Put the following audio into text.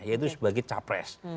yaitu sebagai capres